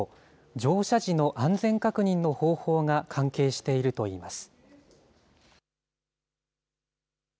乗車時の安全確認の方法が関係しているといいます。